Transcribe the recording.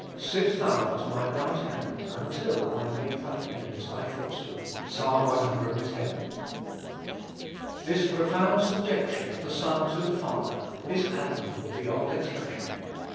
"Sit thou at my right hand, until I make thine enemies thy footstool." (Ps. cx.) This profound subjection of the Son to the Father is admirable beyond expression.